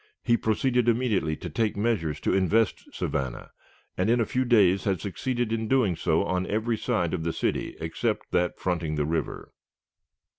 He proceeded immediately to take measures to invest Savannah, and in a few days had succeeded in doing so on every side of the city except that fronting the river.